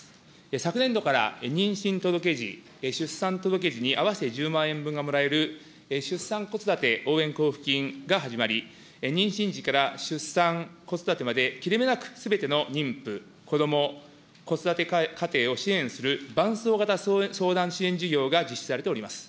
昨年度から妊娠届け時、出産届け時に、合わせて１０万円分がもらえる、出産・子育て応援交付金が始まり、妊娠時から出産、子育てまで切れ目なくすべての妊婦、子ども・子育て家庭を支援する伴走型相談支援事業が実施されております。